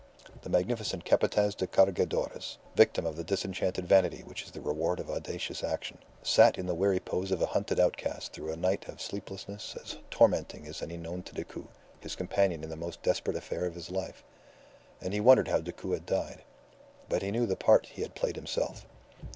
The magnificent Capataz de Cargadores, victim of the disenchanted vanity which is the reward of audacious action, sat in the weary pose of a hunted outcast through a night of sleeplessness as tormenting as any known to Decoud, his companion in the most desperate affair of his life. And he wondered how Decoud had died. But he knew the part he had played himself.